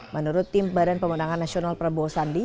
menurut tim badan pemenangan nasional prabowo sandi